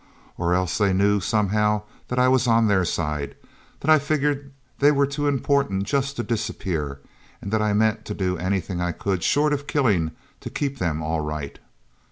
Or else they knew, somehow, that I was on their side that I figured they were too important just to disappear and that I meant to do anything I could, short of killing, to keep them all right...